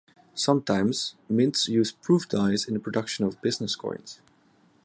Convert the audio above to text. Sometimes mints use proof dies in the production of business coins.